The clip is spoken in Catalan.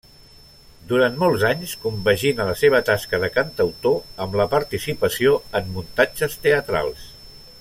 Durant molts anys compagina la seva tasca de cantautor amb la participació en muntatges teatrals.